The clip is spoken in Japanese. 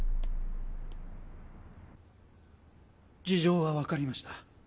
事情は分かりました。